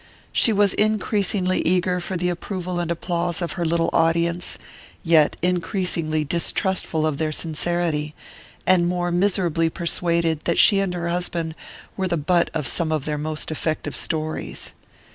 She was increasingly eager for the approval and applause of her little audience, yet increasingly distrustful of their sincerity, and more miserably persuaded that she and her husband were the butt of some of their most effective stories.